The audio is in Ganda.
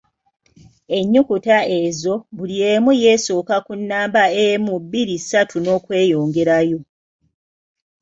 Ennyukuta ezo buli emu y'esooka ku nnamba emu, bbiri, ssatu, n'okweyongerayo.